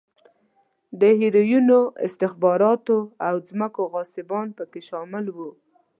د هیروینو، استخباراتو او ځمکو غاصبان په کې شامل و.